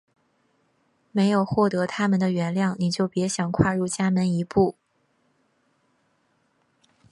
没有获得它们的原谅你就别想跨入家门一步！